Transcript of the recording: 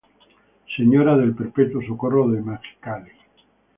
Señora del Perpetuo Socorro en Mexicali.